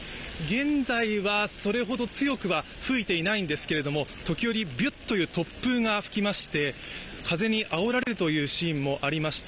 現在は、それほど強くは吹いていないんですけれども時折、ビュッという突風が吹きまして風にあおられるというシーンもありました。